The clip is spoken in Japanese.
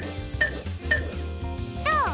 どう？